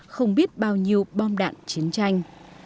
không biết bao nhiêu bom đạn chiến tranh